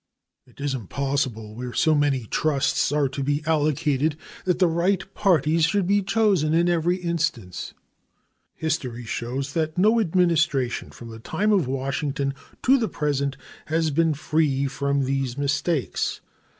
It is impossible, where so many trusts are to be allotted, that the right parties should be chosen in every instance. History shows that no Administration from the time of Washington to the present has been free from these mistakes.